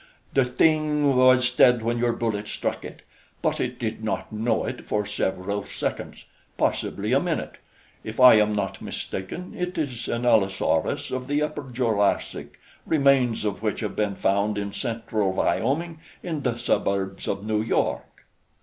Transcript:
The thing was dead when your bullets struck it; but it did not know it for several seconds possibly a minute. If I am not mistaken, it is an Allosaurus of the Upper Jurassic, remains of which have been found in Central Wyoming, in the suburbs of New York."